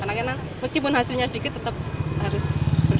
karena meskipun hasilnya sedikit tetap harus bersyukur dan tetap harus kerja